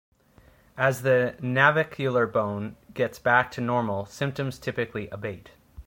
As the navicular bone gets back to normal, symptoms typically abate.